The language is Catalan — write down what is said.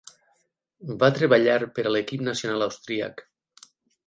Va treballar per a l'equip nacional austríac.